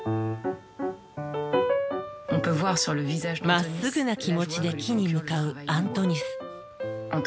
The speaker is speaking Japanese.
まっすぐな気持ちで木に向かうアントニス。